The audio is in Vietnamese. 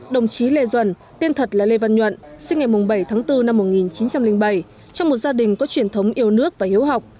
đồng chí lê duẩn tiên thật là lê văn nhuận sinh ngày bảy tháng bốn năm một nghìn chín trăm linh bảy trong một gia đình có truyền thống yêu nước và hiếu học